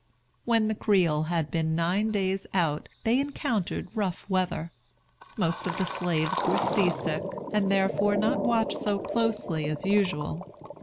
When the Creole had been nine days out they encountered rough weather. Most of the slaves were sea sick, and therefore were not watched so closely as usual.